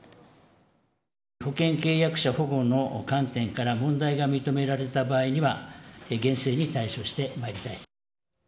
保険契約者保護の観点から問題が認められた場合には、厳正に対処してまいりたい。